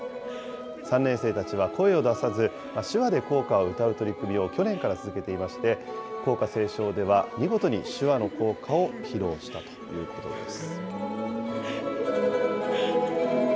３年生たちは声を出さず、手話で校歌を歌う取り組みを去年から続けていまして、校歌斉唱では、見事に手話の校歌を披露したということです。